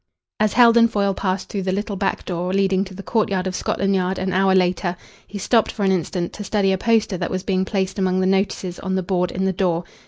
As Heldon Foyle passed through the little back door leading to the courtyard of Scotland Yard an hour later, he stopped for an instant to study a poster that was being placed among the notices on the board in the door.